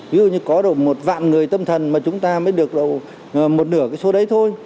ví dụ như có độ một vạn người tâm thần mà chúng ta mới được một nửa cái số đấy thôi